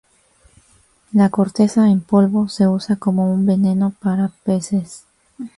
La corteza en polvo se usa como un veneno para peces.